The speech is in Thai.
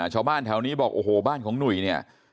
ชาวบ้านแถวนี้บอกโอ้โหบ้านของหนุ่ยเนี่ย